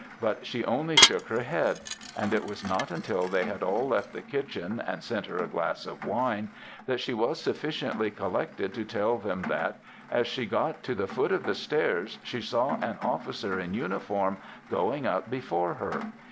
but she only shook her head; and it was not till they had all left the kitchen and sent her a glass of wine, that she was sufficiently collected to tell them that, as she got to the foot of the stairs, she saw an officer in uniform, going up before her.